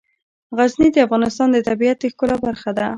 غزني د افغانستان د طبیعت د ښکلا برخه ده.